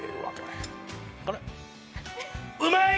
うまい！